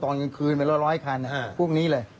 ตอนคืนไปละร้อยคันน่ะพวกนี้เลย